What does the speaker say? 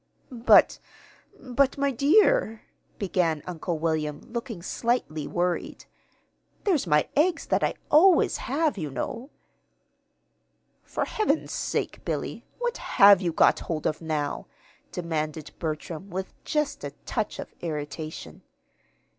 "But but, my dear," began Uncle William, looking slightly worried, "there's my eggs that I always have, you know." "For heaven's sake, Billy, what have you got hold of now?" demanded Bertram, with just a touch of irritation.